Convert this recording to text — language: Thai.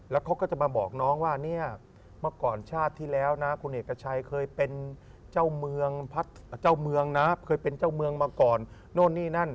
แล้วเขาก็จะมาบอกน้องว่าเมื่อก่อนชาติที่แล้วนะคุณเอกชัยเคยเป็นเจ้าเมืองมาก่อน